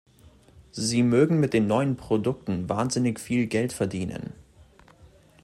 Sie mögen mit den neuen Produkten wahnsinnig viel Geld verdienen!